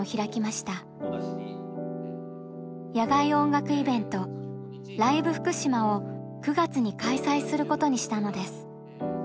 野外音楽イベント「ＬＩＶＥ福島」を９月に開催することにしたのです。